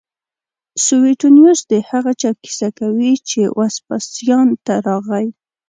سویټونیوس د هغه چا کیسه کوي چې وسپاسیان ته راغی